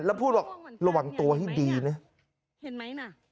แล้วพูดว่าระหว่างตัวให้ดีนะ